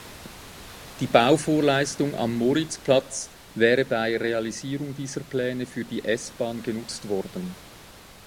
Die Bauvorleistung am Moritzplatz wäre bei Realisierung dieser Pläne für die S-Bahn genutzt worden.